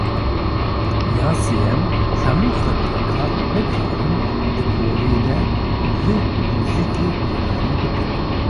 Ya sêyem, hemû xwendekar nikarin di polê de li muzîkê guhdarî bikin.